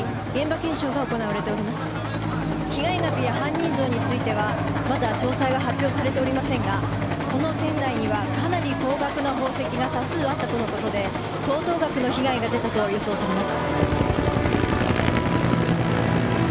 被害額や犯人像についてはまだ詳細は発表されておりませんがこの店内にはかなり高額な宝石が多数あったとの事で相当額の被害が出たと予想されます。